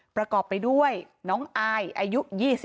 ประกอบไปด้วยน้องอายอายุ๒๓